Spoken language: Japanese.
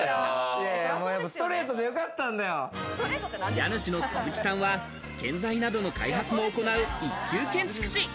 家主の鈴木さんは建材などの開発も行う一級建築士。